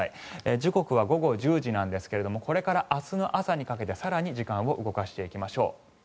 時刻は午後１０時ですがこれから明日の朝にかけて更に時間を動かしていきましょう。